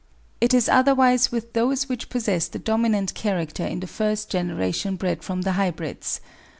It is otherwise with those which possess the dominant character in the first generation [bred from the hybrids].